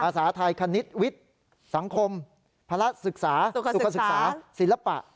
สาธัยคณิตวิทย์สังคมภาระศึกษาสุขศึกษาศิลปะ